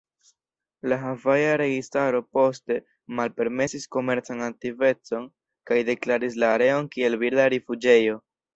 La havaja registaro poste malpermesis komercan aktivecon kaj deklaris la areon kiel birda rifuĝejo.